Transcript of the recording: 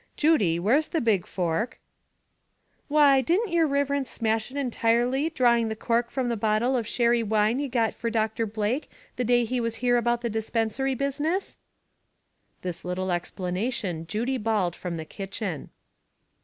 Judy, where's the big fork?" "Why, didn't yer riverence smash it entirely drawing the cork from the bottle of sherry wine ye got for Doctor Blake the day he was here about the dispinsary business?" This little explanation Judy bawled from the kitchen.